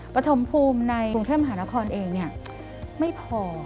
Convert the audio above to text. ปฐมภูมิในกรุงเทพมหานครเองไม่พอ